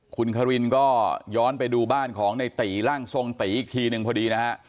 คุณคารินก็ย้อนไปดูบ้านของในตีร่างทรงตีอีกทีหนึ่งพอดีนะฮะ